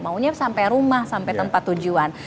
maunya sampai rumah sampai tempat tujuan